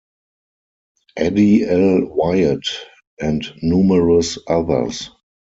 Addie L. Wyatt, and numerous others.